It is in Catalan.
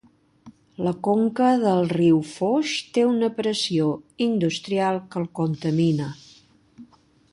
La conca del riu Foix té una pressió industrial que el contamina.